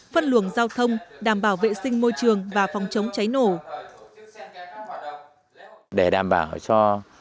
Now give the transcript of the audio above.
phân luồng giao thông đảm bảo vệ sinh môi trường và phòng chống cháy nổ